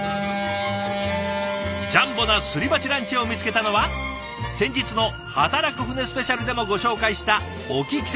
ジャンボなすり鉢ランチを見つけたのは先日の働く船スペシャルでもご紹介した隠岐汽船。